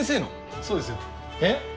そうですよ。え？